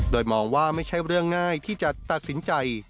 โดยมองว่าไม่ใช่เรื่องง่ายที่จะตัดสินใจ